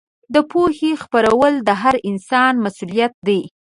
د پوهې خپرول د هر انسان مسوولیت دی.